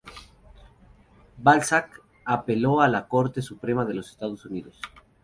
Balzac apeló a la Corte Suprema de los Estados Unidos.